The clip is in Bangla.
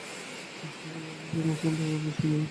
মুসলমানদের উপর বৃষ্টির ন্যায় তীর বর্ষিত হতে লাগল।